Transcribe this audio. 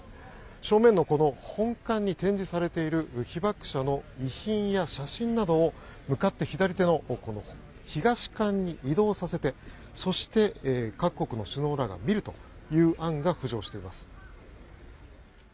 正面の本館に展示されている被爆者の遺品や写真などを向かって左手の東館に移動させて、各国の首脳らが見るという案が浮上しています。